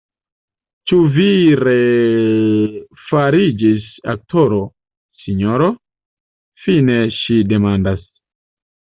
Ĉu vi refariĝis aktoro, sinjoro?fine ŝi demandas.